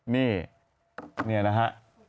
นี่นี่นะฮะ